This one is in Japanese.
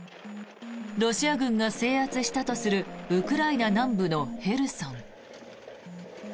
ロシア軍が制圧したとするウクライナ南部のヘルソン。